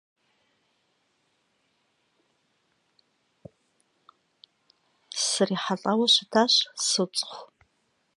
СрихьэлӀауэ щытащ, соцӀыху.